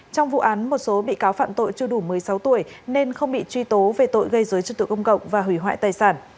trong vụ án một số bị cáo phạm tội chưa đủ một mươi sáu tuổi nên không bị truy tố về tội gây dối trật tự công cộng và hủy hoại tài sản